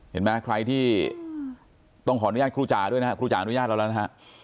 เห็นไหมใครที่ต้องขออนุญาตครูจ่าด้วยนะครับครูจ่าอนุญาตเราแล้วนะฮะ